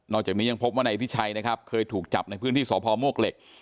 จากนี้ยังพบว่านายพิชัยนะครับเคยถูกจับในพื้นที่สพมวกเหล็ก